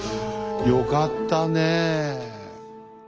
よかったねえ。